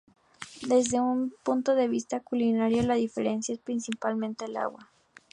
Desde un punto de vista culinario, la diferencia es principalmente el agua.